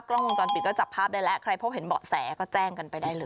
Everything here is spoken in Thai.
กล้องวงจรปิดก็จับภาพได้แล้วใครพบเห็นเบาะแสก็แจ้งกันไปได้เลย